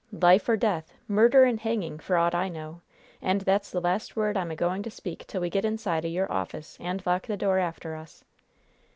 "Life or death! Murder and hanging, for aught I know! And that's the last word I'm a going to speak till we get inside o' your office, and lock the door after us."